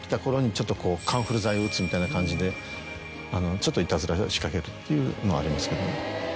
ちょっとイタズラ仕掛けるっていうのありますけど。